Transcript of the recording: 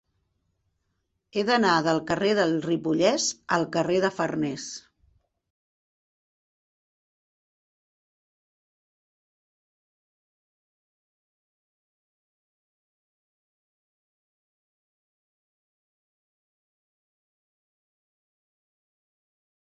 He d'anar del carrer del Ripollès al carrer de Farnés.